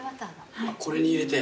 これに入れて？